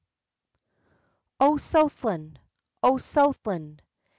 O Southland! O Southland!